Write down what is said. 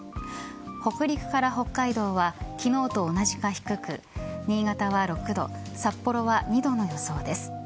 北陸から北海道は昨日と同じか低く新潟は６度札幌は２度の予想です。